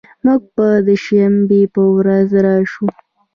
مونږ به د شنبې په ورځ راشو